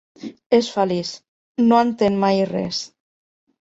És feliç: no entén mai res.